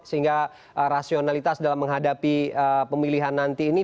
sehingga rasionalitas dalam menghadapi pemilihan nanti ini